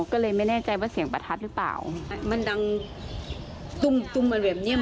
ก็เลยไม่แน่ใจว่าเสียงประทัดหรือเปล่ามันดังตุ้มตุ้มอะไรแบบเนี้ย